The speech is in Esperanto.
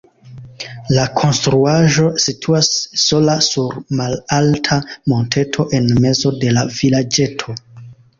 La konstruaĵo situas sola sur malalta monteto en mezo de la vilaĝeto.